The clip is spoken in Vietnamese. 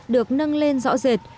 được nâng lên rõ rệt